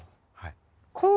はい。